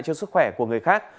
cho sức khỏe của người khác